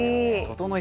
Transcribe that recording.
ととのい